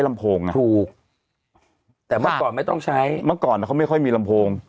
ถูกแต่เมื่อก่อนไม่ต้องใช้เมื่อก่อนเขาไม่ค่อยมีลำโพง